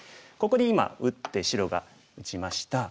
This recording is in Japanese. ここに今打って白が打ちました。